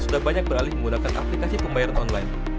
sudah banyak beralih menggunakan aplikasi pembayaran online